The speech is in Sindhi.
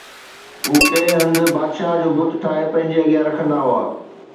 هو ڪنهن هنڌ بادشاهه جو بت ٺاهي پنهنجي اڳيان رکندا هئا